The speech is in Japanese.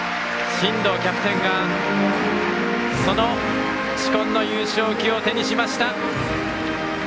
進藤キャプテンがその紫紺の優勝旗を手にしました。